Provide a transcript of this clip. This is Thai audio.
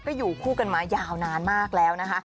ก็อยู่คู่กันมายาวนานมากแล้วนะคะ